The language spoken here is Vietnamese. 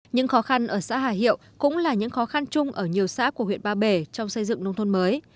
những khó khăn ở xã hà hiệu cũng là những khó khăn chung ở nhiều xã của huyện ba bể trong xây dựng nông thôn mới